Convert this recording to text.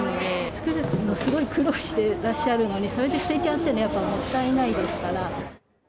作るのすごい苦労していらっしゃるのに、それで捨てちゃうのはやっぱもったいないですから。